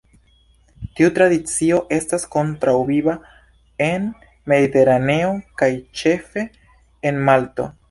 Tiu tradicio estas ankoraŭ viva en Mediteraneo, kaj ĉefe en Malto.